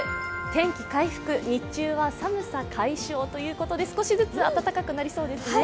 天気回復、日中は寒さ解消ということで少しずつ暖かくなりそうですね。